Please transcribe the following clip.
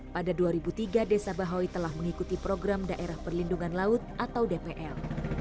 pada dua ribu tiga desa bahoy telah mengikuti program daerah perlindungan laut atau dpl